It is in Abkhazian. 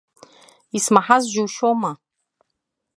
Исмаҳаз џьушьома!